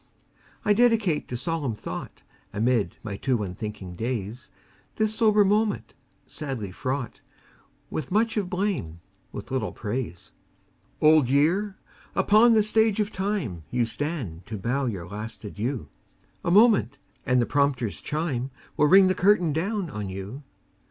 I dedicate to solemn thought Amid my too unthinking days, This sober moment, sadly fraught With much of blame, with little praise. Old Year! upon the Stage of Time You stand to bow your last adieu; A moment, and the prompter's chime Will ring the curtain down on you.